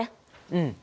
うん。